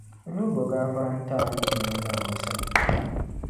N-ni bo gaafara n-ti a n Duuma Naawuni sani.